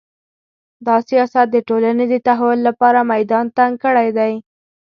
دا سیاست د ټولنې د تحول لپاره میدان تنګ کړی دی